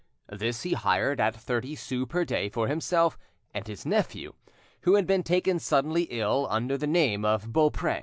This he hired at thirty sous per day for himself and his nephew, who had been taken suddenly ill, under the name of Beaupre.